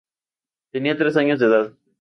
Tenía tres años de edad.